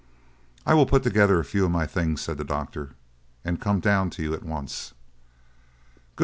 "I will put together a few of my things," said the doctor, "and come down to you at once." "Good!"